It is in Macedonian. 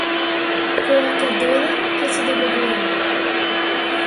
Кога ќе дојдам ќе се договориме.